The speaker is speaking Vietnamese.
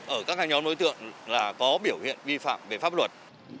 ở các nhóm đối tượng là có biểu hiện vi phạm về pháp luật